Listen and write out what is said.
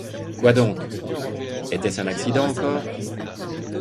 Quoi donc? était-ce un accident encore ?